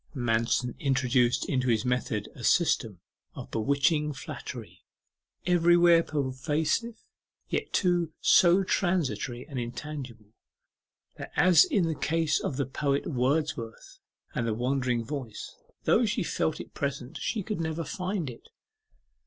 Manston introduced into his method a system of bewitching flattery, everywhere pervasive, yet, too, so transitory and intangible, that, as in the case of the poet Wordsworth and the Wandering Voice, though she felt it present, she could never find it.